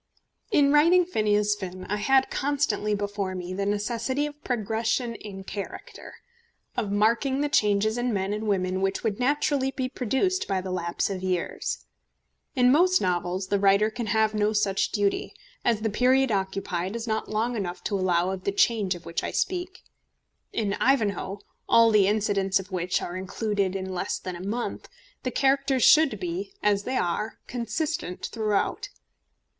In writing Phineas Finn I had constantly before me the necessity of progression in character, of marking the changes in men and women which would naturally be produced by the lapse of years. In most novels the writer can have no such duty, as the period occupied is not long enough to allow of the change of which I speak. In Ivanhoe, all the incidents of which are included in less than a month, the characters should be, as they are, consistent throughout.